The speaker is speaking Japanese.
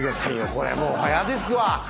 これもう嫌ですわ。